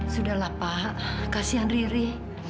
sudahlah pak kasian riri